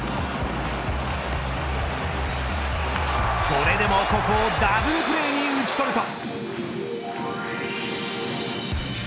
それでも、ここをダブルプレーに打ち取ると。